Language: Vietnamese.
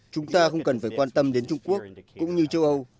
chúng ta không cần phải quan tâm đến trung quốc cũng như châu âu